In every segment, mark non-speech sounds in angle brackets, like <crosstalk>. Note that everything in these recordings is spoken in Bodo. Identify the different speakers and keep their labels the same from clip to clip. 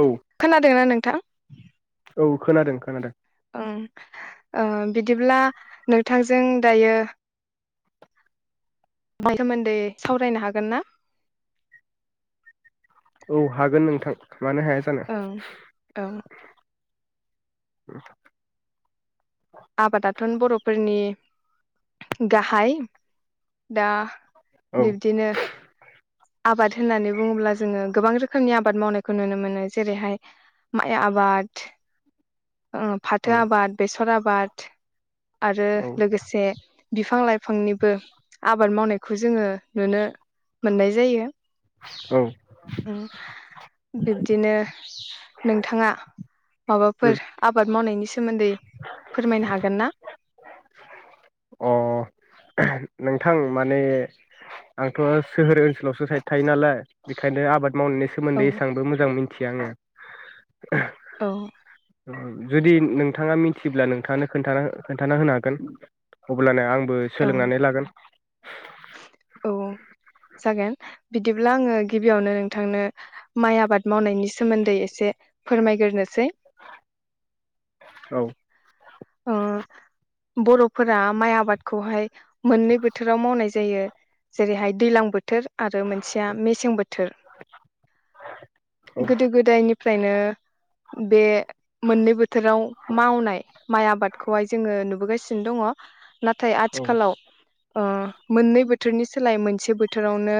Speaker 1: औ
Speaker 2: खोनादोंना नोंथां।
Speaker 1: औ खोनादों खोनादों
Speaker 2: ओं ओं बिदिब्ला नोंथांजों दायो। सोमोन्दै सावरायनो हागोन ना?
Speaker 1: औ हागोन नोंथां। माने हाया जानो?
Speaker 2: ओं औ
Speaker 1: <unintelligible>
Speaker 2: आबादाथन बर'फोरनि गाहाय दा
Speaker 1: औ
Speaker 2: बिब्दिनो आबाद होननानै बुङोब्ला जोङो गोबां रोखोमनि आबाद मावनायखौ नुनो मोनो जेरैहाय माइ आबाद ओ फाथो
Speaker 1: औ
Speaker 2: आबाद बेसर आबाद बाद आरो
Speaker 1: औ
Speaker 2: लोगोसे बिफां लाइफां बिफांनिबो आबाद मावनायखौ जोङो नुनो मोननाय। जायो।
Speaker 1: औ
Speaker 2: औ बिब्दिनो नोंथाङा।
Speaker 1: उम
Speaker 2: माबाफोर आबाद मावनायनि सोमोन्दै फोरमायनो हागोन ना?
Speaker 1: अ नोंथां माने आंथ' सोहोर ओनसोलावसो साइद थायो नालाय बेखायनो आबाद। मावनायनि
Speaker 2: औ
Speaker 1: सोमोन्दै एसांबो मोजां मिथि मिथिया आङो
Speaker 2: औ
Speaker 1: जुदि नोंथाङा मिथिब्ला नोंथाङानो खोनथा खोनथाना होनो हागोन अब्लाना आं बो
Speaker 2: ओं
Speaker 1: सोलोंनानै लागोन।
Speaker 2: औ जागोन बिदिब्ला आङो गिबियावनो नोंथांनो माइ आबाद मावनायनि सोमोनदै एसे फोरमायग्रोसै
Speaker 1: औ
Speaker 2: ओ बर'फोरा माइ आबादखौहाय मोननै बोथोराव मावनाय जायो जेरैहाय दैलां बोथोर आरो मोनसेया मेसें बोथोर
Speaker 1: औ
Speaker 2: गोदो गोदायनिफ्रायनो बे मोननै बो थोराव मावनाय माइ आबादखौहाय जोङो नुबोगासिनो दङ। नाथाय
Speaker 1: औ
Speaker 2: आथिखालाव। ओ मोननै बोथोरनि सोलाय मोनसे बोथोरावनो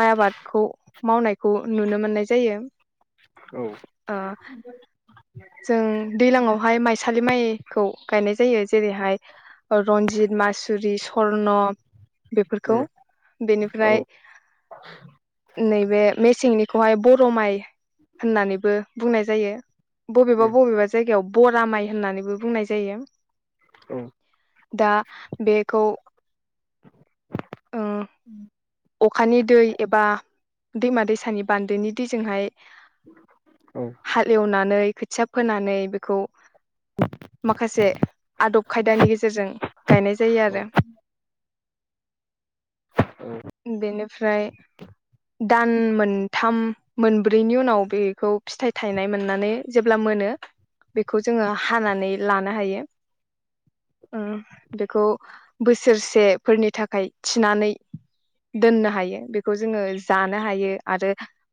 Speaker 2: माइ आबादखौ मावनायखौ नुनो मोननाय जायो।
Speaker 1: औ
Speaker 2: ओ जों दैलांवहाय माइसालि माइखौ गायनाय जायो जेरैहाय रनजित मास जुरि सर्न बेफोरखौ
Speaker 1: उम औ
Speaker 2: बेनिफ्राय नै बे मेसेंनिखौहाय बर' माइ होननानैबो बुंनाय। जायो। बबेबा
Speaker 1: उम
Speaker 2: बबेबा जायगायाव बरा माइ होननानैबो बुंनाय जायो।
Speaker 1: औ
Speaker 2: दा बेखौ ओ अखानि दै एबा दैमा दैसानि बानदोनि दैजोंहाय हालेवनानै खोथिया फोनानै बेखौ माखासे आदब खायदानि गेजेरजों गायनाय जायो
Speaker 1: औ
Speaker 2: आरो बेनिफ्राय दान मोनथाम मोनब्रैनि उनाव बेखौ फिथाइ थायनाय मोननानै जेब्ला मोनो बेखौ जोङो हानानै लानो हायो ओ बेखौ बोसोरसेफोरनि थाखाय थिनानै दोननो हायो बेखौ जोङो जानो हायो आरो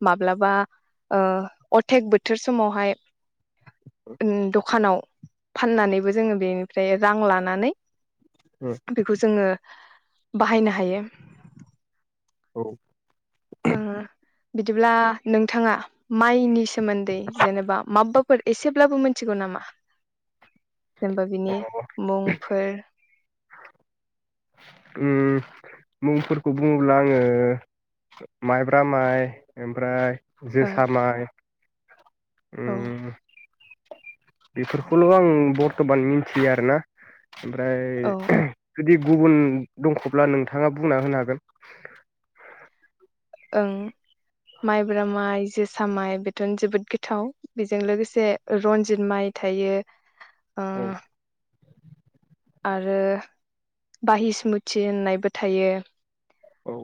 Speaker 2: माब्लाबा ओ अथेक बोथोर समावहाय ओन दखानाव फाननानैबो जोङो बेनिफ्राय रां लानानै
Speaker 1: औ
Speaker 2: बेखौ जोङो बाहायनो हायो
Speaker 1: औ
Speaker 2: ओ बिदिब्ला नोंथाङा माइनि सोमोनदै जेनेबा माबबाफोर एसेब्लाबो मिथिगौ नामा जेनेबा बिनि मुंफोर
Speaker 1: ओम मुंफोरखौ बुङोब्ला आङो माइब्रा माइ ओमफ्राय
Speaker 2: ओं
Speaker 1: जोसा माइ
Speaker 2: औ
Speaker 1: उम बेफोरखौल' आं बर्थमान मिथियो आरो ना
Speaker 2: औ
Speaker 1: ओमफ्राय जुदि गुबुन दंख'ब्ला नोंथाङा बुंना होनो हागोन
Speaker 2: ओं माइब्रा माइ जोसा माइ बेथ'नो जोबोद गोथाव बेजों लोगोसे रन्जित माइ थायो ओ
Speaker 1: औ
Speaker 2: आरो बाहिस्मुथि होननायबो थायो
Speaker 1: औ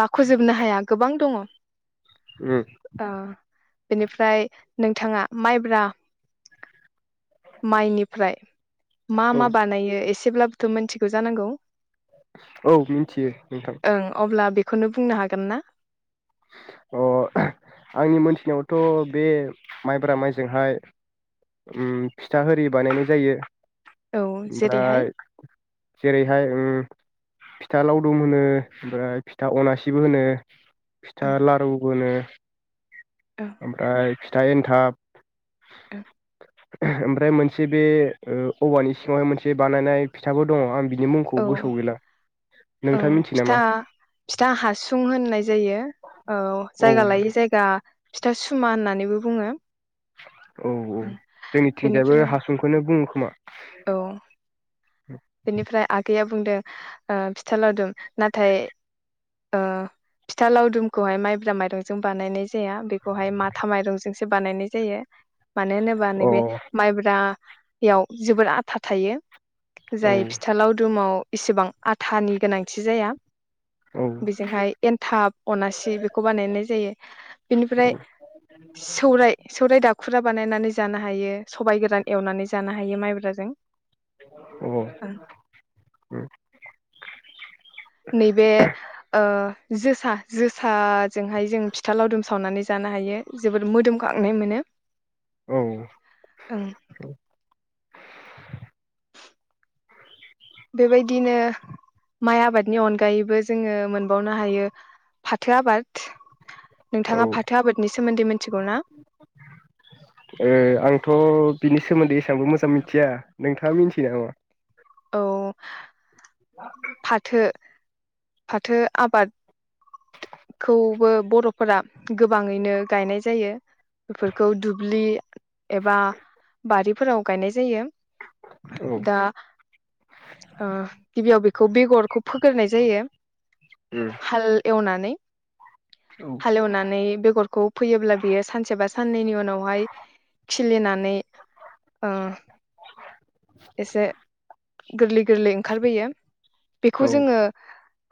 Speaker 2: लाख'जोबनो हाया गोबां दङ
Speaker 1: उम
Speaker 2: आ बेनिफ्राय नोंथाङा माइब्रा माइनिफ्राय मा
Speaker 1: औ
Speaker 2: मा बानायो एसे एसेब्लाबोथ' मिथिगौ जानांगौ
Speaker 1: औ मिन्थियो नोंथां
Speaker 2: खौनो बुंनो हागोन ना
Speaker 1: अ आंनि मोनथिनायावथ' बे माइब्रा माइजोंहाय ओम फिथा हेरि बानायनाय जायो
Speaker 2: औ जेरैहाय
Speaker 1: ओमफ्राय जेरैहाय ओं फिथा लावदुम होनो ओमफ्राय फिथा अनासिबो होनो
Speaker 2: औ
Speaker 1: लारूबो होनो
Speaker 2: औ
Speaker 1: ओमफ्राय फिथाइ एनथाब
Speaker 2: औ
Speaker 1: ओमफ्राय मोनसे ओ बे औवानि सिङावहाय मोनसे बानायनाय फिथाबो दङ आं बिनि मुंखौ
Speaker 2: औ
Speaker 1: गोसोआव गैला नोंथाङा
Speaker 2: ओं
Speaker 1: मिथियो नामा
Speaker 2: फिथा फिथा हासुं होननाय जायो औ
Speaker 1: औ
Speaker 2: जायगा लायै जायगा फिथा सुमा होननानैबो बुङो।
Speaker 1: औ औ
Speaker 2: ओं
Speaker 1: जोंनिथिंजायबो
Speaker 2: बेनिफ्राय
Speaker 1: हासुंखौनो बुङो खोमा?
Speaker 2: औ
Speaker 1: <unintelligible>
Speaker 2: बेनिफ्राय आगैया बुंदों ओ फिथा लावदुम नाथाय ओ फिथा लावदुमखौहाय माइब्रा माइरंजों बानायनाय जाया बेखौहाय माथा माइरंजोंसो बानायनाय जायो। मानो होनोबा
Speaker 1: अ
Speaker 2: नैबे माइब्रा बेयाव जोबोर आथा थायो।
Speaker 1: औ
Speaker 2: जाय फिथा लावदुमाव इसेबां आथानि गोनांथि जाया
Speaker 1: औ
Speaker 2: ‌ बेजोंहाय एनथाब अनासि बेखौ बानायनाय जायो बेनिफ्राय
Speaker 1: औ
Speaker 2: सौराय सौराय दाब खुरा बानायनानै जानो हायो सबायाइ गोरान एवनानै जानो हायो माइब्राजों
Speaker 1: <inaudible> औ
Speaker 2: नैबे ओ जोसा जोसाजोंहाय जों फिथा लावदुम सावनानै जानो हायो जोबोद मोदोमखांनाय मोनो।
Speaker 1: औ
Speaker 2: ओं बेबायदिनो माइ आबादनि अनगायैबो जोङो मोनबावनो हायो फाथो आबाद
Speaker 1: औ
Speaker 2: नोंथाङा फाथो आबादनि सोमोन्दैमोन
Speaker 1: ओ आंथ' बिनि सोमोन्दै एसांबो मोजां मिथिया नोंथाङा मिथि नामा?
Speaker 2: औ
Speaker 1: मा <inaudible>
Speaker 2: फाथो फाथो आबाद खौबो बर' फोर गोबाङैनो गायनाय जायो बेफोरखौ दुब्लि एबा बारिफोराव गायनाय जायो।
Speaker 1: औ
Speaker 2: दा ओ गिबियाव बे खौ बेगरखौ फोग्रोनाय जायो
Speaker 1: उम
Speaker 2: हाल मावनानै
Speaker 1: औ
Speaker 2: हालेवनानै बेगरखौ फैयोब्ला बियो सानसे बा साननैनि उनावहाय खिलिनानै ओ एसे गोरलै गोरलै ओंखारबोयो बेखौ
Speaker 1: औ
Speaker 2: जोङो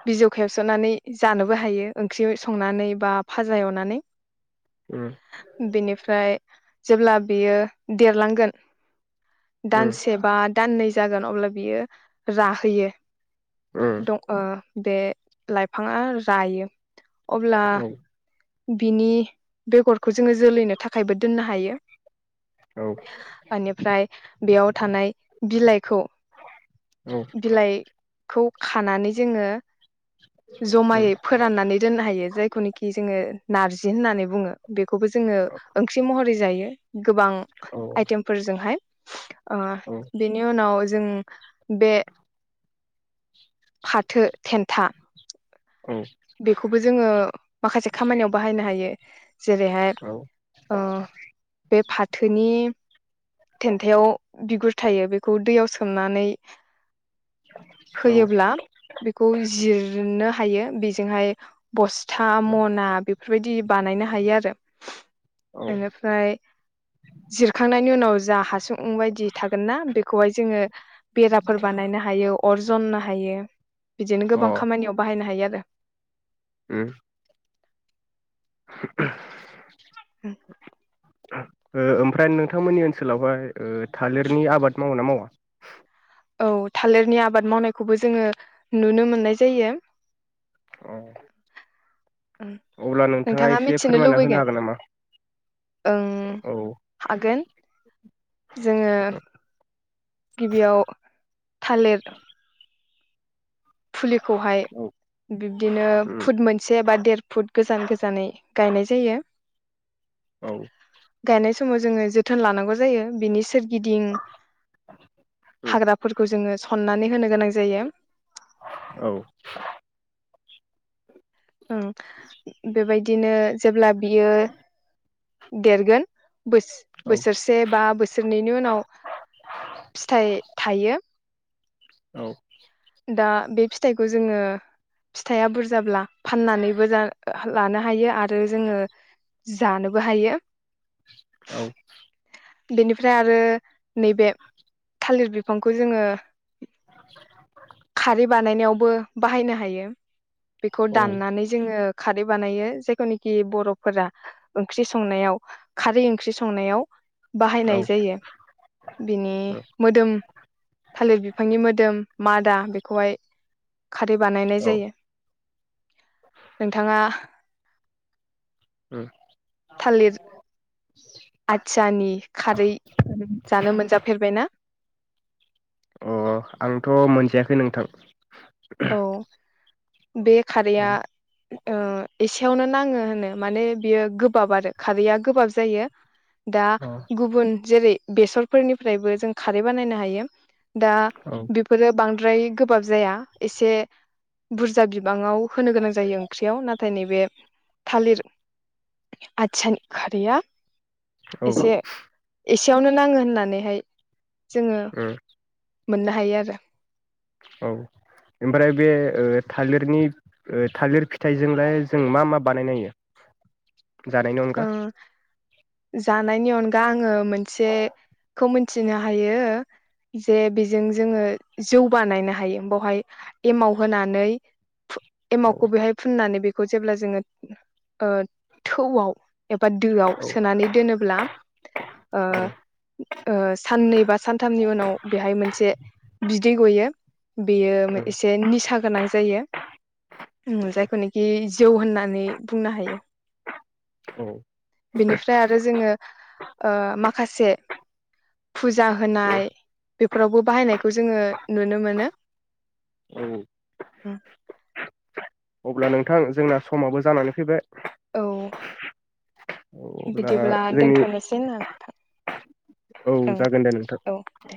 Speaker 2: बिजौ खेबसनानै जानोबो हायो ओंख्रि संनानै बा फाजा एवनानै
Speaker 1: उम
Speaker 2: बेनिफ्राय जेब्ला बियो देरलांगोन
Speaker 1: उम
Speaker 2: दानसे बा दाननै जागोन अब्ला बियो राहैयो
Speaker 1: उम
Speaker 2: दं ओ बे लाइफ फाङा रायो अब्ला
Speaker 1: औ
Speaker 2: बिनि बेगरखौ खौ जोङो जोलैनो थाखायबो दोननो हायो
Speaker 1: औ
Speaker 2: ओनिफ्राय बेयाव थानाय बिलाइखौ
Speaker 1: उम औ
Speaker 2: बिलाइखौ खानानै जोङो
Speaker 1: <inaudible>
Speaker 2: जमायै फोराननानै दोननो हायो जायखौनोखि जोङो नारजि होननानै बुङो बे खौबो जोङो ओंख्रि महरै जायो गोबां
Speaker 1: औ
Speaker 2: आइटेमफोरजोंहाय ओ बेनि उनाव जों बे फाथो थेन्था
Speaker 1: औ
Speaker 2: बेखौबो जोङो माखासे खामानियाव बाहायनो हायो जेरैहाय ओ बे फाथोनि थेन्थायाव बिगुर थायो बेखौ दैयाव सोमनानै होयोब्ला बेखौ जिरनो हायो बि हाय बस था मना बे बेफोरबायदि बानायनो हायो आरो
Speaker 1: औ
Speaker 2: ओनिफ्राय जिरखांनाय नि उनाव जा हासुं ओम बायदि थागोन ना बेखौहाय जोङो बेराफोर बानायनो हायो अर जननो हायो बिदिनो
Speaker 1: औ अ
Speaker 2: गोबां खामानियाव बाहायनो हायो आरो।
Speaker 1: उम <inaudible>
Speaker 2: उम
Speaker 1: ओ ओमफ्राय नोंथांमोननि ओनसोलावहाय ओ थालिरनि आबाद मावो ना मावा? <inaudible>
Speaker 2: औ थालिरनि आबाद मावनायखौबो जोङो नुनो मोननाय जायो।
Speaker 1: औ
Speaker 2: उम
Speaker 1: अब्ला
Speaker 2: नोंथाङा
Speaker 1: एसे
Speaker 2: मिथिनो
Speaker 1: फोरमायना होनो
Speaker 2: लुबैगोन
Speaker 1: हागोन नामा?
Speaker 2: ओं
Speaker 1: औ
Speaker 2: हागोन जोङो। गिबियाव थालेर फुलिखौहाय बिब्दिनो
Speaker 1: उम
Speaker 2: फुट मोनसे बा देर फुट गोजान गोजानै गायनाय जायो।
Speaker 1: औ
Speaker 2: गायनाय समाव जोङो जोथोन लानांगौ जायो बिनि सोर गिदिं
Speaker 1: उम
Speaker 2: हाग्रा फोरखौ जोङो। सननानै होनो गोनां जायो।
Speaker 1: औ
Speaker 2: ओं बेबायदिनो जेब्ला बियो देरगोन
Speaker 1: औ
Speaker 2: बोसोरसे बा बोसोरनैनि उनाव फिथाइ थायो।
Speaker 1: औ
Speaker 2: दा बे फिथाइखौ जोङो फिथाइया बुरजाब्ला फाननानैबो लानो हायो आरो जोङो जानोबो हायो।
Speaker 1: औ
Speaker 2: बेनिफ्राय आरो नैबे थालिर बिफांखौ जोङो
Speaker 1: <inaudible>
Speaker 2: खारै बानायनायावबो बाहायनो हाय बेखौ दाननानै जोङ खारै बानायो जायखौनिखि बर'फोरा ओंख्रि संनायाव खारै ओंख्रि संनायाव
Speaker 1: औ
Speaker 2: बाहायनाय जायो बिनि मोदोम थालिर बिफांनि मोदोम मा दा बेखौहाय खारै बानायनाय
Speaker 1: औ
Speaker 2: जायो। नोंथाङा
Speaker 1: ओम
Speaker 2: थालिर आथियानि खारै जानो मोनजाफेरबायना
Speaker 1: अ आंथ' मोनजायाखै नोंथां
Speaker 2: औ बे
Speaker 1: अ
Speaker 2: खारैया ओ एसेयावनो नाङो होनो माने बियो गोबाब आरो खारैया गोबाब जायो। दा
Speaker 1: औ
Speaker 2: गुबुन जेरै बेसरफोरनिफ्रायबो जों खारै बानायनो हायो। दा
Speaker 1: औ
Speaker 2: बेफोरो बांद्राय गोबाब जाया। एसे बुरजा बिबाङाव होनो गोनां जायो ओंख्रियाव नाथाय नैबे थालिर आसानखारिया
Speaker 1: उम
Speaker 2: एसे एसे खाथियावनो नाङो होननानैहाय जोङो मोननो हायो आरो।
Speaker 1: औ ओमफ्राय बे ओ थालिरनि ओ थालिर फिथाइजोंलाय जों मा मा बानायनो हायो। जानायनि अनगा?
Speaker 2: ओं जानायनि अनगा आङो मोनसेखौ मिथिनो हायो जे बेजों जोङो जौ बानायनो हायो बावहाय एमाव होनानै
Speaker 1: औ
Speaker 2: एमावखौ बेहाय फुननानै बे खौ जेब्ला जोङो थौआव एबा दोआव
Speaker 1: औ
Speaker 2: सोनानै दोनोब्ला।
Speaker 1: औ
Speaker 2: साननै बा सानथामनि उनाव बेहाय मोनसे बिदै गयो। बेयो एसे निसा गोनां। जायो जायखौ नोखि जौ होननानै बुंनो हायो।
Speaker 1: औ
Speaker 2: बेनिफ्राय आरो जोङो। ओ माखासे फुजा
Speaker 1: औ
Speaker 2: होनाय बेफोरावबो बाहायनायखौ जोङो नुनो मोनो।
Speaker 1: औ अब्ला नोंथां जोंना समाबो जानानै फैबाय।
Speaker 2: औ
Speaker 1: अब्ला
Speaker 2: बिदिब्ला
Speaker 1: जोंनि
Speaker 2: दोनथ'नोसै ना नोंथां
Speaker 1: औ
Speaker 2: ओं
Speaker 1: जागोन दे नोंथां।
Speaker 2: औ दे